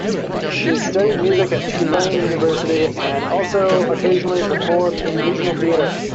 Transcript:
She studied music at Tulane University and also occasionally performs in regional theatre.